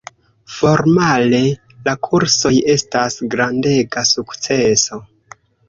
Formale, la kursoj estas grandega sukceso.